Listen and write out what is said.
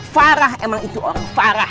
farah emang itu orang parah